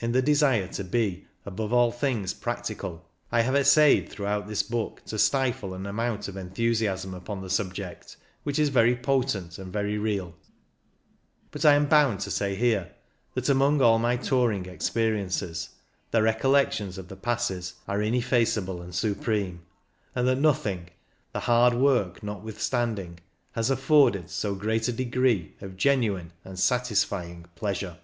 In the desire to be above all things practical, I have essayed throughout this book to stifle an amount of enthusiasm upon the subject which is very potent and very real ; but I am bound to say here that, among all my touring ex periences, the recollections of the passes are ineffaceable and supreme, and that nothing, the hard work notwithstanding, has afforded so great a degree of genuine and satisfying pleasure.